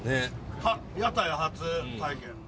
屋台初体験。